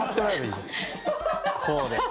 「こうで」。